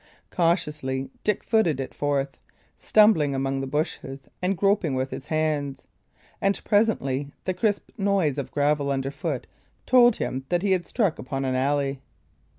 Cautiously Dick footed it forth, stumbling among bushes, and groping with his hands; and presently the crisp noise of gravel underfoot told him that he had struck upon an alley.